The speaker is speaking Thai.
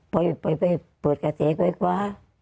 ไปเปิดกระแสไฟฟ้า